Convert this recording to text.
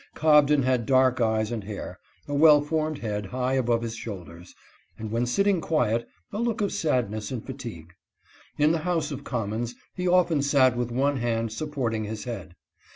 Cobden had dark eyes and hair, a well formed head high above his shoul ders, and, when sitting quiet, a look of sadness and fatigue. In the House of Commons he often sat with one hand supporting his head.